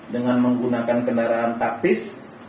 dengan menggunakan kendaraan taktis